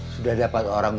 ya ada tiga orang